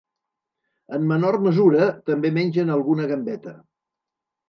En menor mesura també mengen alguna gambeta.